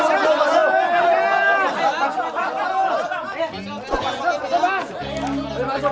mas idan masuk